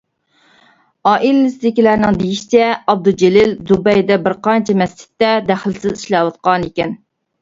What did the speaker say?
ئائىلىسىدىكىلەرنىڭ دېيىشىچە، ئابدۇجېلىل دۇبەيدە بىر قانچە مەسچىتتە دەخلىسىز ئىشلەۋاتقانىكەن.